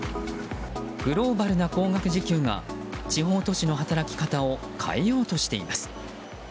グローバルな高額時給が地方都市の働き方を変えようとしています。